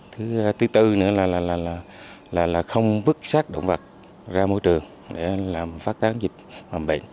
thứ tư nữa là không bức xác động vật ra môi trường để làm phát tán dịch mắc bệnh